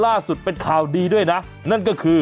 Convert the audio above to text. หากใครที่เพิ่งสมัครใช้สิทธิ์โครงการคนละครึ่งเฟส๓